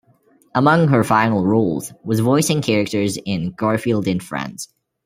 Among her final roles was voicing characters in "Garfield and Friends".